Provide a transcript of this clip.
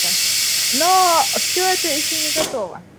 Но все это еще не готово.